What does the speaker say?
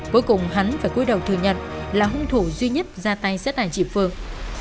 cuối cùng hắn phải cuối đầu thừa nhận là hung thủ duy nhất ra tay sát hại chị phượng